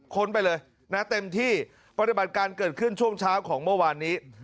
ค้นไปเลยนะเต็มที่ปฏิบัติการเกิดขึ้นช่วงเช้าของเมื่อวานนี้